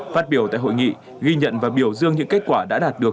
phát biểu tại hội nghị ghi nhận và biểu dương những kết quả đã đạt được